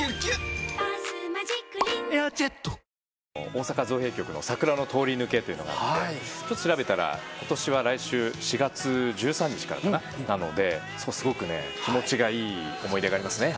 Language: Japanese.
大阪造幣局の桜の通り抜けというのがあって調べたら、今年は来週４月１３日からなのですごく気持ちがいい思い出がありますね。